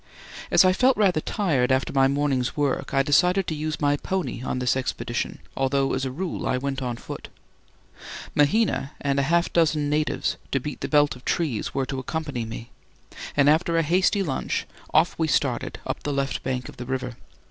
As I felt rather tired after my morning's work, I decided to use my pony on this expedition, although as a rule I went on foot. Mahina and half a dozen natives to beat the belt of trees were to accompany me, and after a hasty lunch off we started up the left bank of the river.